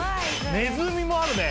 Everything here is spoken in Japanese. ネズミもあるね。